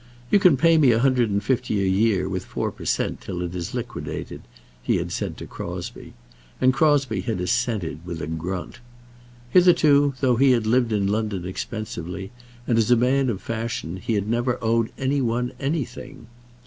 "You can pay me a hundred and fifty a year with four per cent. till it is liquidated," he had said to Crosbie; and Crosbie had assented with a grunt. Hitherto, though he had lived in London expensively, and as a man of fashion, he had never owed any one anything.